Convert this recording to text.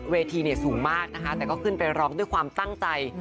สูงมากนะคะแต่ก็ขึ้นไปร้องด้วยความตั้งใจ